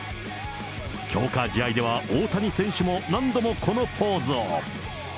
強化試合では大谷選手も何度もこのポーズを。